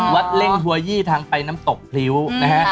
เล่งหัวยี่ทางไปน้ำตกพริ้วนะฮะ